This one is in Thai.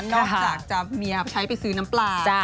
นอกจากจะเมียใช้ไปซื้อน้ำปลา